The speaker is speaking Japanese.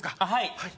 はい